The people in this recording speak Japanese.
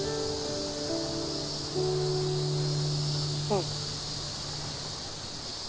うん。